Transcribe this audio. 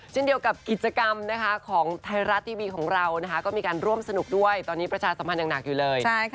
เช่นเดียวกับกิจกรรมนะคะของไทยรัฐทีวีของเรานะคะก็มีการร่วมสนุกด้วยตอนนี้ประชาสัมพันธ์อย่างหนักอยู่เลย